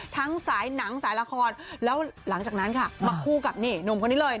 สายหนังสายละครแล้วหลังจากนั้นค่ะมาคู่กับนี่หนุ่มคนนี้เลย